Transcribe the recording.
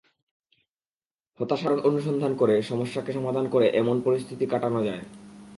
হতাশার কারণ অনুসন্ধান করে সমস্যাকে সমাধান করে এমন পরিস্থিতি কাটানো যায়।